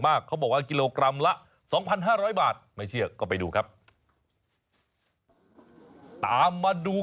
เขาบอกว่ากิโลกรัมละ๒๕๐๐บาทไม่เชื่อก็ไปดูครับตามมาดู